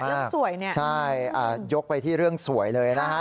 เรื่องสวยเนี่ยใช่ยกไปที่เรื่องสวยเลยนะฮะ